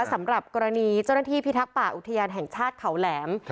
สำหรับกรณีเจ้าหน้าที่พิทักษ์ป่าอุทยานแห่งชาติเขาแหลม